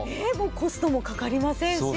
コストもかかりませんし。